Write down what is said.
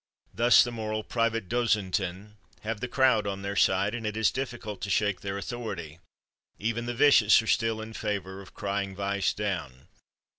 Thus the moral Privatdozenten have the crowd on their side, and it is difficult to shake their authority; even the vicious are still in favor of crying vice down.